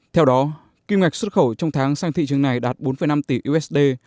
theo đó kim ngạch xuất khẩu trong tháng sang thị trường này đạt bốn năm tỷ usd